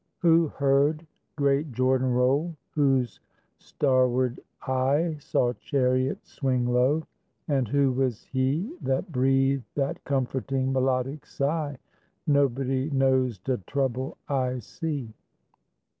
Who heard great "Jordan roll"? Whose starward eye Saw chariot "swing low"? And who was he That breathed that comforting, melodic sigh, "Nobody knows de trouble I see"?